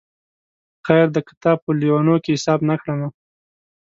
خیر دی که تا په لېونیو کي حساب نه کړمه